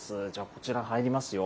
こちら、入りますよ。